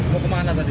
mau ke mana tadi